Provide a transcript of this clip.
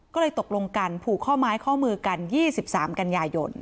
ก็เลยตกลงกันผูกข้อไม้ข้อมือกัน๒๓กันยายน